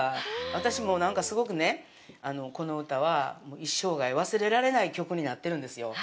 私、もうなんかすごくね、この歌は、一生涯、忘れられない曲になってるんですよ。